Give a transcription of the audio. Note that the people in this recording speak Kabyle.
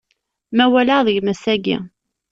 Ma walaɣ deg-m ass-agi.